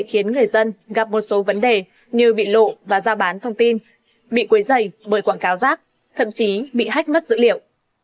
khiến người dân gặp một số vấn đề như bị lộ và ra bán thông tin bị quấy dày bởi quảng cáo rác thậm chí bị hách mất dữ liệu